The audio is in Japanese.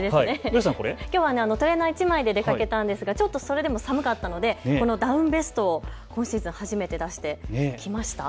きょうはトレーナー１枚で出かけたんですがそれでも寒かったのでこのダウンベストを今シーズン初めて出してきました。